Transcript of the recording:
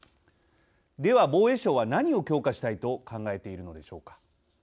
では、防衛省は何を強化したいと考えているのでしょうか。